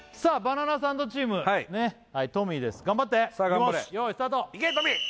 バナナサンドチームトミーです頑張っていきます